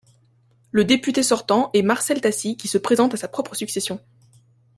Le député sortant est Marcel Tassy qui se présente à sa propre succession.